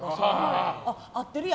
あ、合ってるやん。